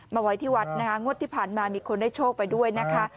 มาไว้ที่วัดนะคะงวดที่ผ่านมามีคนได้โชคไปด้วยนะคะ